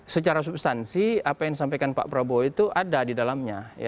secara substansi apa yang disampaikan pak prabowo itu ada di dalamnya